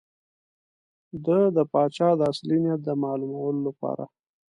ده د پاچا د اصلي نیت د معلومولو لپاره.